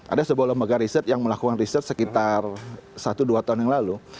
ada sebuah lembaga riset yang melakukan riset sekitar satu dua tahun yang lalu